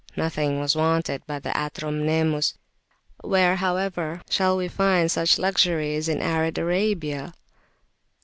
Nothing was wanted but the "atrum nemus." Where however, shall we find such luxuries in arid Arabia?